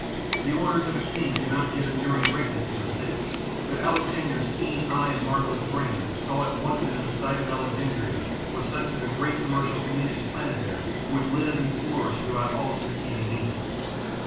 The orders of a king cannot give enduring greatness to a city; but Alexander's keen eye and marvelous brain saw at once that the site of Alexandria was such that a great commercial community planted there would live and flourish throughout out succeeding ages.